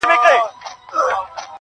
• سېمابي سوی له کراره وځم..